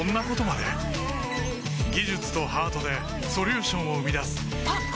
技術とハートでソリューションを生み出すあっ！